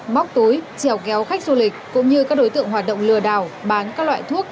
móc túi trèo kéo khách du lịch cũng như các đối tượng hoạt động lừa đảo bán các loại thuốc